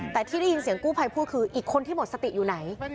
แต่ที่ได้ยินเสียงกู้ภัยพูดคืออีกคนที่หมดสติอยู่ไหน